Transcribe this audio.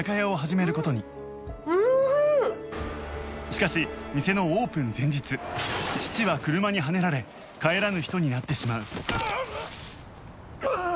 しかし店のオープン前日父は車にはねられ帰らぬ人になってしまううっ！